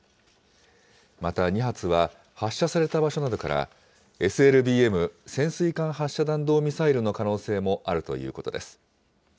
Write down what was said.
また２発は、発射された場所などから、ＳＬＢＭ・潜水艦発射弾道ミサイルの可能性もあるということです。